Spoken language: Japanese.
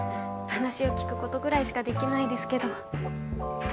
話を聞くことぐらいしかできないですけど。